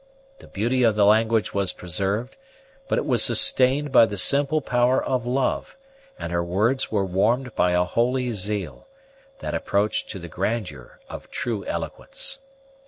The beauty of the language was preserved, but it was sustained by the simple power of love; and her words were warmed by a holy zeal, that approached to the grandeur of true eloquence.